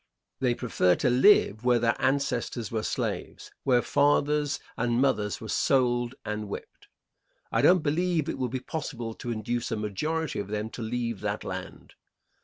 They prefer to live where their ancestors were slaves, where fathers and mothers were sold and whipped; and I don't believe it will be possible to induce a majority of them to leave that land.